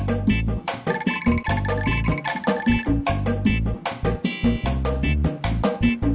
aku beli pakaian rachet dia